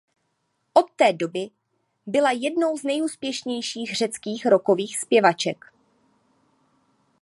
Od té doby byla jednou z nejúspěšnějších řeckých rockových zpěvaček.